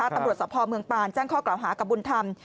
ตำรวจสภเมืองปานแจ้งข้อกล่าวหากับบุญธรรม